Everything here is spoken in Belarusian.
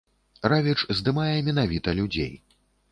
Равіч здымае менавіта людзей.